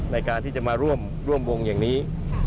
ในการที่จะมาร่วมวงอย่างนี้